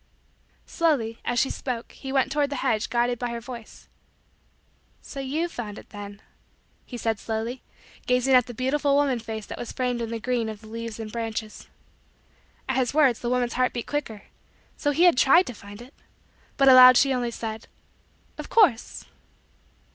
Slowly, as she spoke, he went toward the hedge, guided by her voice. "So you found it then," he said slowly, gazing at the beautiful woman face that was framed in the green of the leaves and branches. And at his words, the woman's heart beat quicker so he had tried to find it but aloud she only said: "Of course."